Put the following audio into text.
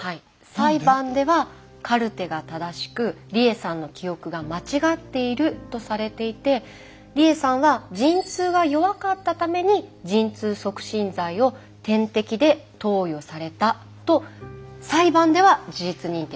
裁判ではカルテが正しく理栄さんの記憶が間違っているとされていて理栄さんは「陣痛が弱かったために陣痛促進剤を点滴で投与された」と裁判では事実認定されています。